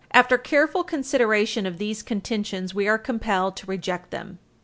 After careful consideration of these contentions, we are compelled to reject them.